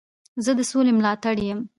زه د سولي ملاتړی یم.